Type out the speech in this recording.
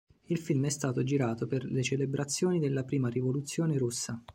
Il film è stato girato per le celebrazioni della prima Rivoluzione Russa.